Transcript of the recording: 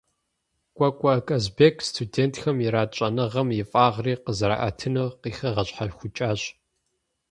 Кӏуэкӏуэ Казбек студентхэм ират щӏэныгъэм и фӏагъри къызэраӏэтынур къыхигъэщхьэхукӏащ.